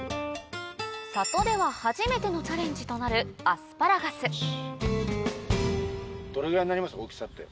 里では初めてのチャレンジとなる大きさって。